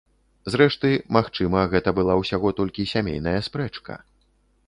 Зрэшты, магчыма, гэта была ўсяго толькі сямейная спрэчка.